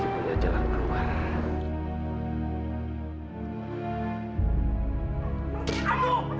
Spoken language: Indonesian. kamu yang menculik anak saya waktu masih kecil